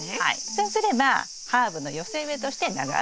そうすればハーブの寄せ植えとして長く楽しめますよ。